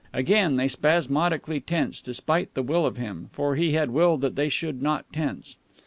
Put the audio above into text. Again they spasmodically tensed, despite the will of him, for he had willed that they should not tense.